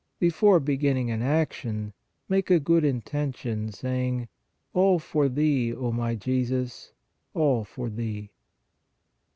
Before beginning an action, make a good inten tion, saying: All for Thee, O My Jesus, all for Thee.